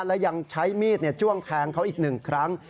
และยังใช้มีดจ้วงแทงเขาอีกหนึ่งครั้ง